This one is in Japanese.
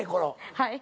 はい。